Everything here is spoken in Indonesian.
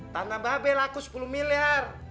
tanah babel aku sepuluh miliar